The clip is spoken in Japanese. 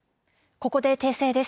ここで訂正です。